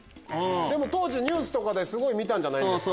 当時ニュースとかですごい見たんじゃないですか。